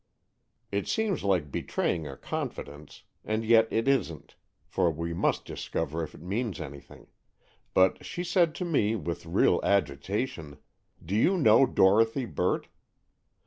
"It seems like betraying a confidence, and yet it isn't, for we must discover if it means anything. But she said to me, with real agitation, 'Do you know Dorothy Burt?